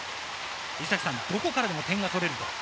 どこからでも点が取れると。